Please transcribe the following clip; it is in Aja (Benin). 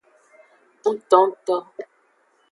Ngtongto.